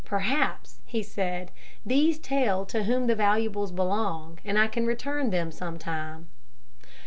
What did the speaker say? "Perhaps," he said, "these tell to whom the valuables belong and I can return them some time."